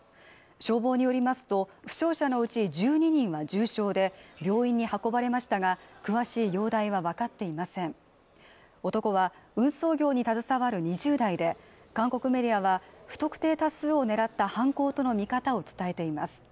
消防によりますと負傷者のうち１２人は重傷で病院に運ばれましたが詳しい容体は分かっていません男は運送業に携わる２０代で韓国メディアは不特定多数を狙った犯行との見方を伝えています